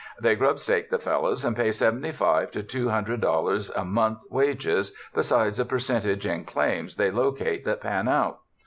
They grub stake the fellows and pay seventy five to two hun dred dollars a month wages, besides a percentage in claims they locate that pan out.